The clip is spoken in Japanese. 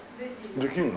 できるの？